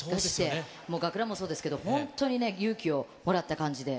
もう学ランもそうですけど、本当にね、勇気をもらった感じで。